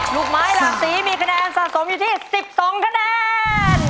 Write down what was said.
ลูกไม้หลากสีมีคะแนนสะสมอยู่ที่๑๒คะแนน